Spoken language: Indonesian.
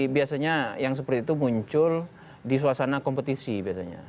biasanya yang seperti itu muncul di suasana kompetisi biasanya